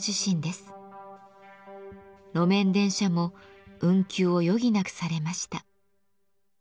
路面電車も運休を余儀なくされました。